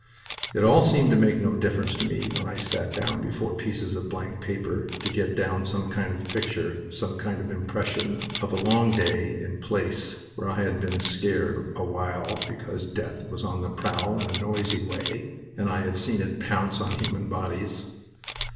It all seemed to make no difference to me when I sat down before pieces of blank paper to get down some kind of picture, some kind of impression, of a long day in place where I had been scared awhile because death was on the prowl in a noisy way and I had seen it pounce on human bodies.